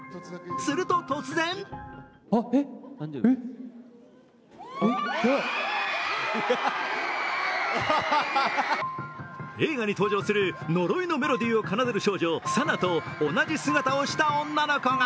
すると突然映画に登場する呪いのメロディーを奏でる少女、さなと同じ姿をした女の子が。